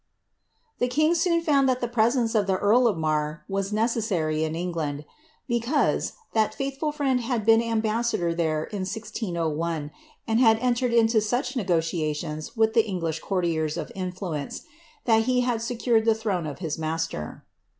The king soon found that the presence of the earl of Marr was neces sary in England ; because, that faitliful friend had been ambassador there in 1 60 1 9 and had entered into such negotiations with the English cour tiers of influence, that he secured the throne to his master.